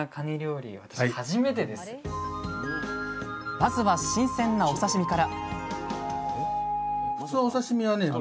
まずは新鮮なお刺身から！